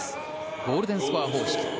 ゴールデンスコア方式。